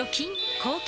抗菌！